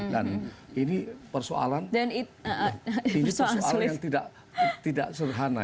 dan ini persoalan yang tidak serhana